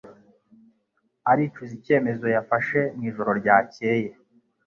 aricuza icyemezo yafashe mu ijoro ryakeye